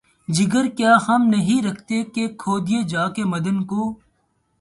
جگر کیا ہم نہیں رکھتے کہ‘ کھودیں جا کے معدن کو؟